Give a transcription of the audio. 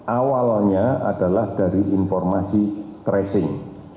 awalnya adalah dari informasi tracing